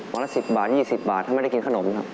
ละ๑๐บาท๒๐บาทถ้าไม่ได้กินขนมครับ